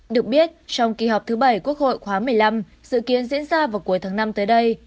được biết trong kỳ họp thứ bảy quốc hội khóa một mươi năm dự kiến diễn ra vào cuối tháng năm tới đây